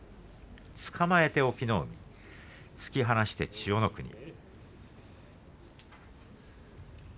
つかまえて隠岐の海突き放して千代の国。